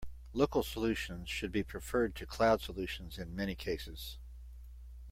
Local solutions should be preferred to cloud solutions in many cases.